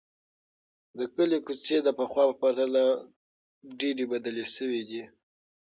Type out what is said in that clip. د کلي کوڅې د پخوا په پرتله ډېرې بدلې شوې دي.